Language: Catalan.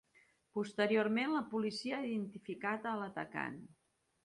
Posteriorment, la policia ha identificat l’atacant.